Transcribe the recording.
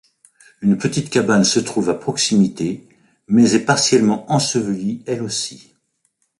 Une petite cabane se trouve à proximité mais est partiellement ensevelie elle aussi.